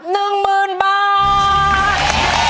๑หมื่นบาท